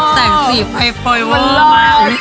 แสงสีไฟฟ้อยโบ้มาก